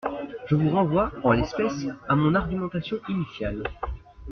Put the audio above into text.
Je vous renvoie, en l’espèce, à mon argumentation initiale.